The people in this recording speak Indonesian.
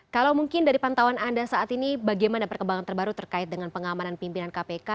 kalau mungkin dari pantauan anda saat ini bagaimana perkembangan terbaru terkait dengan pengamanan pimpinan kpk